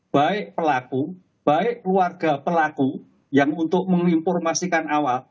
baik pelaku baik keluarga pelaku yang untuk menginformasikan awal